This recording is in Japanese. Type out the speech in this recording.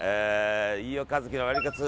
飯尾和樹のワリカツ！